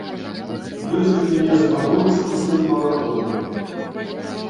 Ёсць у мяне збанок з кіслым малаком.